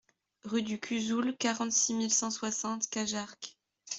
Rue du Cuzoul, quarante-six mille cent soixante Cajarc